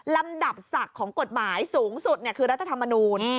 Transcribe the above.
ลำดับศักดิ์ของกฎหมายสูงสุดคือรัฐธรรมนูล